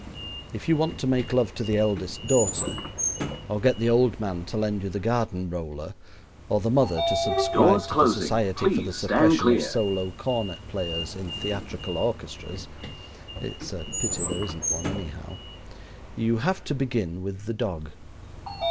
If you want to make love to the eldest daughter, or get the old man to lend you the garden roller, or the mother to subscribe to the Society for the Suppression of Solo Cornet Players in Theatrical Orchestras (it's a pity there isn't one, anyhow), you have to begin with the dog.